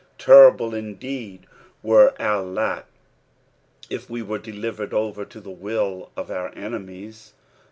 Terrible indeed were our lotif we were delivered over to the will of our enemies.